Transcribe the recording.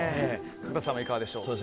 角田さんはいかがでしょう？